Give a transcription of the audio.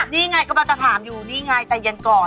นี่ไงกำลังจะถามอยู่นี่ไงใจเย็นก่อน